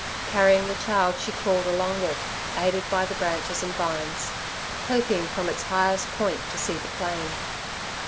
Carrying the child, she crawled along it, aided by the branches and vines, hoping from its highest point to see the plain.